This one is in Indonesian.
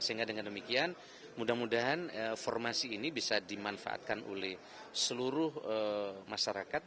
sehingga dengan demikian mudah mudahan formasi ini bisa dimanfaatkan oleh seluruh masyarakat